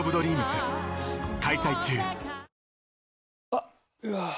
あっ、うわー。